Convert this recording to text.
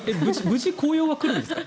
無事紅葉は来るんですか？